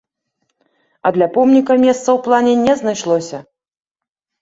А для помніка месца ў плане не знайшлося.